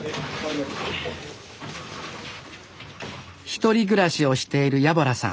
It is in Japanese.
一人暮らしをしている家洞さん。